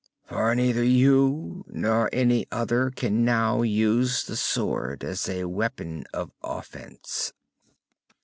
For neither you nor any other can now use the sword as a weapon of offense."